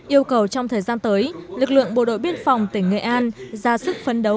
yêu cầu trong thời gian tới lực lượng bộ đội biên phòng tỉnh nghệ an ra sức phấn đấu